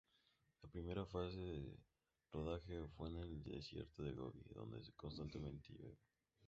La primera fase de rodaje fue en el desierto de Gobi donde constantemente llueve.